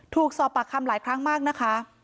ถูกสอบปากคำหลายครั้งมากนะคะ